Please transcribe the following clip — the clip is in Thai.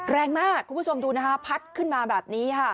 แรงมากคุณผู้ชมดูนะคะพัดขึ้นมาแบบนี้ค่ะ